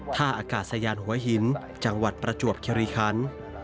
ท่าอากาศยานหัวหินจังหวัดประจวบคิริคัน